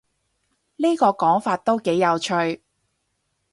呢個講法都幾有趣